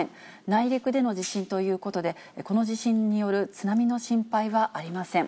内陸での地震ということで、この地震による津波の心配はありません。